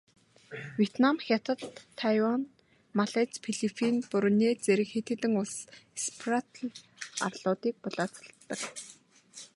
Вьетнам, Хятад, Тайвань, Малайз, Филиппин, Бруней зэрэг хэд хэдэн улс Спратл арлуудыг булаацалддаг.